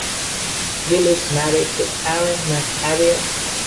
Gil is married to Ariane MacAvyoy.